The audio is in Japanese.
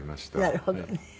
なるほどね。